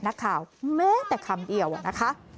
นักข่าวเมียแต่คำเดียวค่ะ